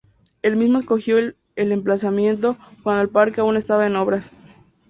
Él mismo escogió el emplazamiento, cuando el parque aún estaba en obras.